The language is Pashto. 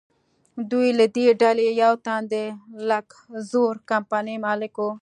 دوی له دې ډلې یو تن د لکزور کمپنۍ مالک و.